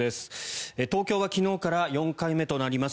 東京は昨日から４回目となります